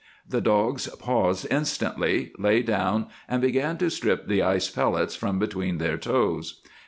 The dogs paused instantly, lay down, and began to strip the ice pellets from between their toes.